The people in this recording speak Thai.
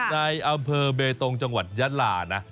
ในอำเภอเบตงจังหวัดยะลานะ